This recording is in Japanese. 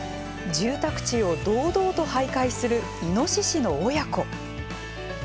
住宅地を堂々とはいかいするイノシシの親子。